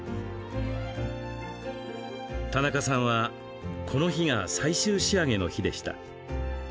田中さんは、この日が最終仕上げの日でした。